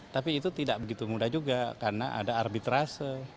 tapi itu tidak begitu mudah juga karena ada arbitrase